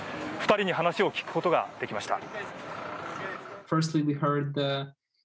２人に話を聞くことができました。